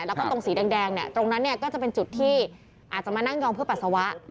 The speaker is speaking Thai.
แล้วก็ตรงสีแดงเนี่ยตรงนั้นเนี่ยก็จะเป็นจุดที่อาจจะมานั่งยองเพื่อปัสสาวะ